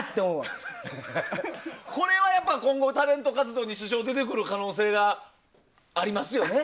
これは今後タレント活動に支障が出てくる可能性がありますね。